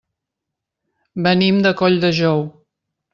Venim de Colldejou.